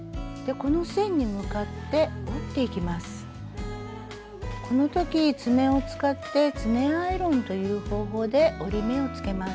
この時爪を使って「爪アイロン」という方法で折り目をつけます。